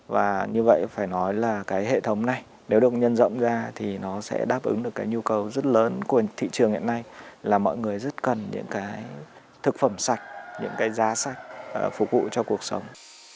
và như vậy phải nói là cái hệ thống này nếu được nhân rộng ra thì nó sẽ đáp ứng được cái nhu cầu rất lớn của thị trường hiện nay là mọi người rất cần những cái thực phẩm sạch những cái giá sạch phục vụ cho cuộc sống